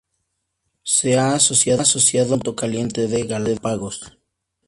Se ha asociado al punto caliente de Galápagos.